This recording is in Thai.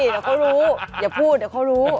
เดี๋ยวเขารู้อย่าพูดเดี๋ยวเขารู้